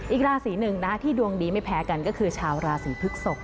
อีกราศีหนึ่งนะที่ดวงดีไม่แพ้กันก็คือชาวราศีพฤกษก